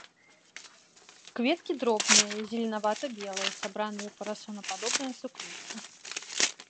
Кветкі дробныя, зеленавата-белыя, сабраныя ў парасонападобнае суквецце.